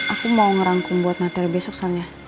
aku mau ngerangkum buat materi besok soalnya